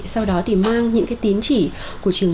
sau đó thì mang những cái tín chỉ của trường đối tác quốc tế